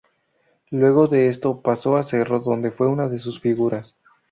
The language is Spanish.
Luego de esto, paso a Cerro donde fue una de sus figuras.